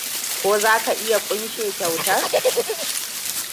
Ko za ka iya ƙunshe kyautar?